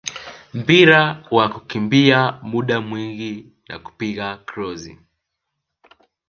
mpira wa kukimbia muda mwingi na kupiga krosi